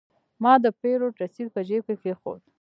ما د پیرود رسید په جیب کې کېښود.